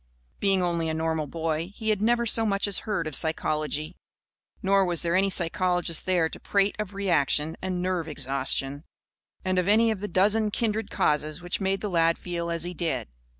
Being only a normal boy, he had never so much as heard of psychology. Nor was there any psychologist there to prate of "reaction" and "nerve exhaustion" and of any of the dozen kindred causes which made the lad feel as he did.